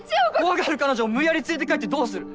怖がる彼女を無理やり連れて帰ってどうする？